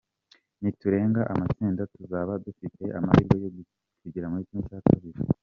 Niturenga amatsinda, tuzaba dufite amahirwe yo kugera muri ½.